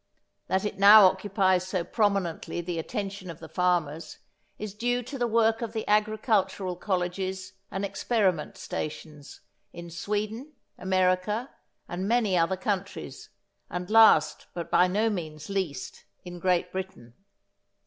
That it now occupies so prominently the attention of the farmers is due to the work of the agricultural colleges and experiment stations in Sweden, America, and many other countries, and last but by no means least in Great Britain.